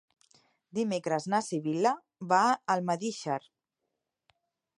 Dimecres na Sibil·la va a Almedíxer.